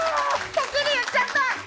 はっきり言っちゃった！